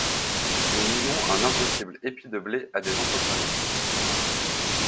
Nous mimons un impossible épi de blé à des entrepreneurs.